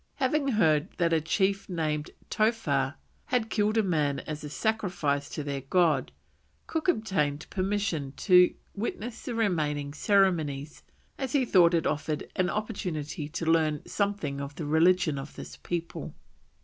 Having heard that a chief named Towha had killed a man as a sacrifice to their God, Cook obtained permission to witness the remaining ceremonies as he thought it offered an opportunity to learn something of the religion of this people.